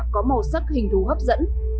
có màu sắc hình thú hấp dẫn